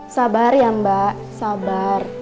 sabar ya mbak sabar